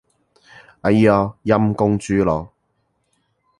哎唷，陰公豬咯